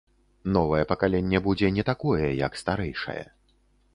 Новае пакаленне будзе не такое, як старэйшае.